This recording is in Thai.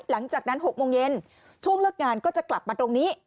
หลังจากนั้น๖โมงเย็นช่วงเลิกงานก็จะกลับมาตรงนี้